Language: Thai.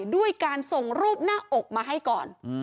ด้วยการส่งรูปหน้าอกมาให้ก่อน